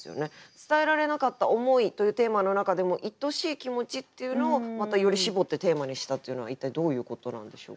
「伝えられなかった思い」というテーマの中でも「いとしい気持ち」っていうのをまたより絞ってテーマにしたというのは一体どういうことなんでしょうか？